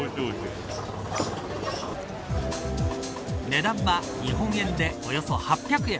値段は日本円でおよそ８００円。